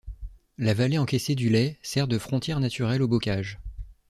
La vallée encaissée du Lay sert de frontière naturelle au bocage.